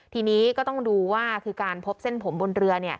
ทีนี้ก็ต้องดูว่าคือการพบเส้นผมบนเรือ